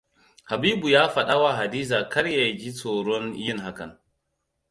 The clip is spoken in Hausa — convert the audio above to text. Habibu ya fadawa Hadiza kar ya ji tsoron yin hakan.